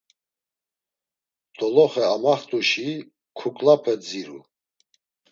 Doloxe amaxtuşi kuklape dziru.